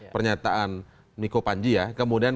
pernyataan miko panji ya kemudian